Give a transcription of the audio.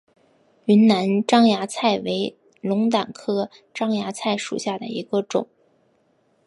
云南獐牙菜为龙胆科獐牙菜属下的一个种。